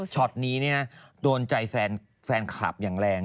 ช็อตนี้โดนใจแฟนคลับอย่างแรง